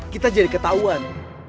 kita jadi ketahuan